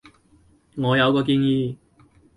我有個建議